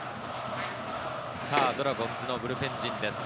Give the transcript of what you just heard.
さあ、ドラゴンズのブルペン陣です。